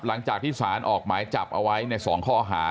หลังจากที่สารออกหมายจับเอาไว้ใน๒ข้อหา